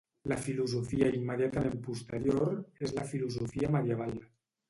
La filosofia immediatament posterior és la filosofia medieval.